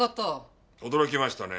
驚きましたね。